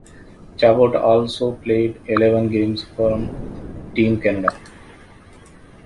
Chabot also played eleven games for Team Canada.